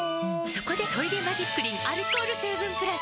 そこで「トイレマジックリン」アルコール成分プラス！